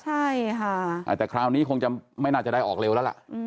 ใช่ค่ะแต่คราวนี้คงจะไม่น่าจะได้ออกเร็วแล้วล่ะ